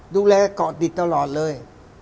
ดูแลกอดดิตตลอดเลย